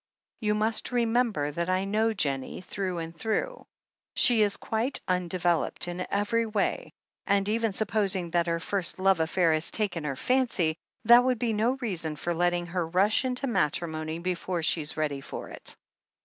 You must remem ber that I know Jennie through and through. She is quite tmdeveloped in every way, and even supposing that her first love affair has taken her fancy, that would be no reason for letting her rush into matrimony before she's ready for it."